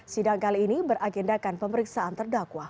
sidang kali ini beragendakan pemeriksaan terdakwa